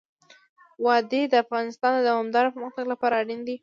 وادي د افغانستان د دوامداره پرمختګ لپاره اړین دي.